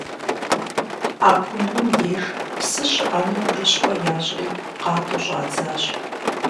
А кумбым деж псы щыӏэну гурыщхъуэ ящӏри къатӏу щӏадзащ.